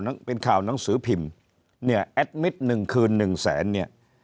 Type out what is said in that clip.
เป็นข่าวหนังสือพิมพ์เนี่ยแอดมิตรหนึ่งคืนหนึ่งแสนเนี่ย